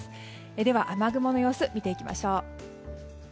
では雨雲の様子見ていきましょう。